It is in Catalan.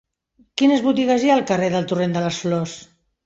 Quines botigues hi ha al carrer del Torrent de les Flors?